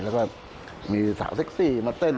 แล้วก็มีสาวเซ็กซี่มาเต้นอะไรแน่